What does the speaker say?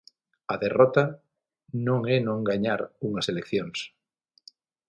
A derrota non é non gañar unhas eleccións.